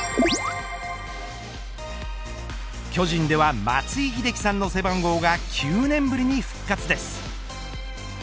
巨人では松井秀喜さんの背番号が９年ぶりに復活です。